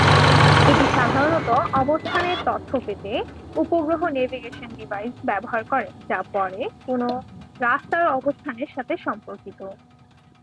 এটি সাধারণত অবস্থানের তথ্য পেতে উপগ্রহ নেভিগেশন ডিভাইস ব্যবহার করে যা পরে কোনও রাস্তার অবস্থানের সাথে সম্পর্কিত।